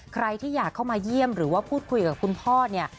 ใครที่อยากเข้ามาเยี่ยมหรือว่าพูดคุยกับคุณพ่อเนี่ย